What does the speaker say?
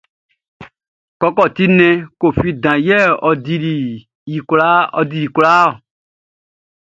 Kɔkɔti nnɛn Koffi dan yɛ ɔ dili kwlaa ɔ.